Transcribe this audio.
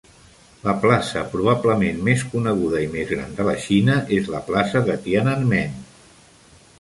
La plaça probablement més coneguda i més gran de la Xina és la plaça de Tienanmen.